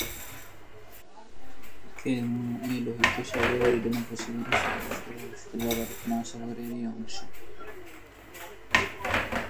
এটি লোহিত সাগর ও এডেন উপসাগর এর সংযোগস্থলে অবস্থিত যা ভারত মহাসাগর-এর ই অংশ।